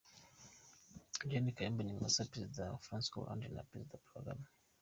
Gen. Kayumba Nyamwasa, Perezida Francois Hollande na Perezida Paul Kagame